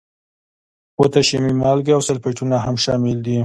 پوتاشیمي مالګې او سلفیټونه هم شامل دي.